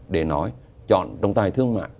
để nói chọn trọng tài thương mạng